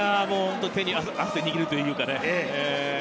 手に汗握るというか。